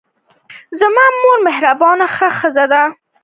زما مور مهربانه ښځه ده.